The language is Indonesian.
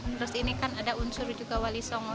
terus ini kan ada unsur juga